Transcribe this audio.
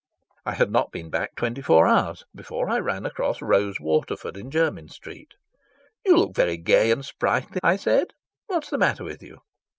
I had not been back twenty four hours before I ran across Rose Waterford in Jermyn Street. "You look very gay and sprightly," I said. "What's the matter with you?"